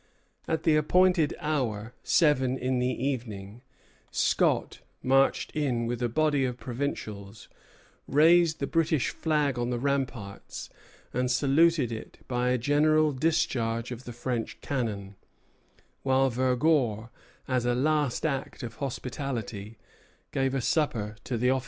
At the appointed hour, seven in the evening, Scott marched in with a body of provincials, raised the British flag on the ramparts, and saluted it by a general discharge of the French cannon, while Vergor as a last act of hospitality gave a supper to the officers.